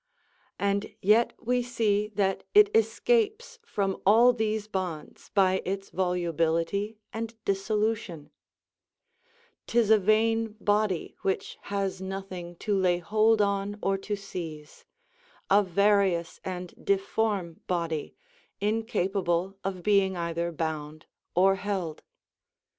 And yet we see that it escapes from all these bonds by its volubility and dissolution; *tis a vain body which has nothing to lay hold on or to seize; a various and difform body, incapable of being either bound or held.